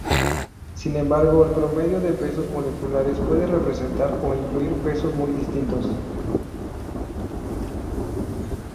Sin embargo el promedio de pesos moleculares puede representar o incluir pesos muy distintos.